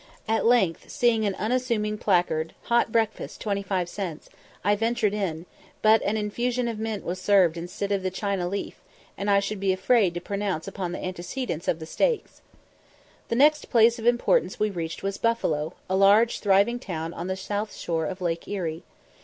At length, seeing an unassuming placard, "Hot breakfast, 25 cents," I ventured in, but an infusion of mint was served instead of the China leaf; and I should be afraid to pronounce upon the antecedents of the steaks. The next place of importance we reached was Buffalo, a large thriving town on the south shore of Lake Erie.